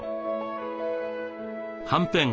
はんぺん